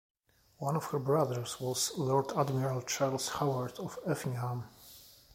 One of her brothers was Lord Admiral Charles Howard of Effingham.